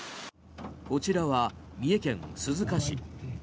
こちらは三重県鈴鹿市。